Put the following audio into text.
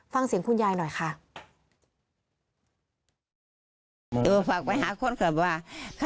ฟังเสียงคุณยายหน่อยค่ะ